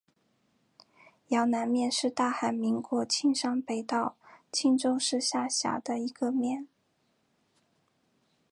阳南面是大韩民国庆尚北道庆州市下辖的一个面。